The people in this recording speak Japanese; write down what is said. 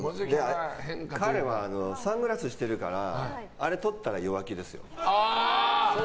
彼はサングラスしてるからあれとったら弱気ですよ。